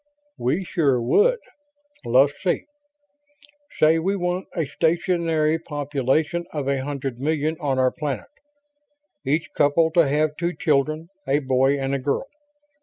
"We sure would. Let's see ... say we want a stationary population of a hundred million on our planet. Each couple to have two children, a boy and a girl.